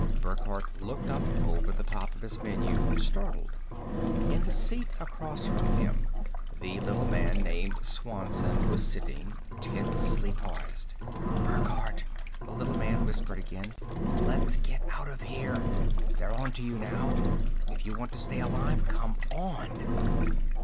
Burckhardt looked up over the top of his menu, startled. In the seat across from him, the little man named Swanson was sitting, tensely poised. "Burckhardt!" the little man whispered again. "Let's get out of here! They're on to you now. If you want to stay alive, come on!"